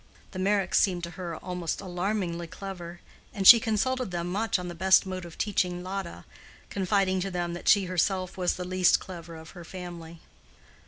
The Meyricks seemed to her almost alarmingly clever, and she consulted them much on the best mode of teaching Lotta, confiding to them that she herself was the least clever of her family.